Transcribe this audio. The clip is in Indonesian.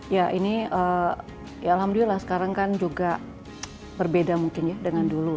ya ini ya alhamdulillah sekarang kan juga berbeda mungkin ya dengan dulu